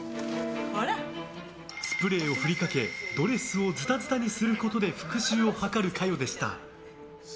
スプレーを振りかけドレスをズタズタにすることで復讐を図る香世でした。